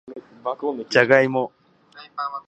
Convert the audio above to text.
じゃがいも